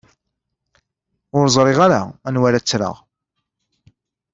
Ur ẓriɣ ara anwa ara ttreɣ.